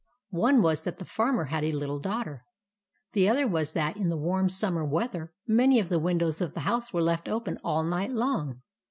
One was that the Farmer had a little daughter ; the other was that, in the warm summer weather, many of the win dows of the house were left open all night long.